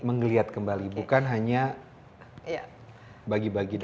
mengelihat kembali bukan hanya bagi bagi dana